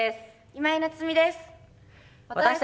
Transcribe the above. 今井菜津美です。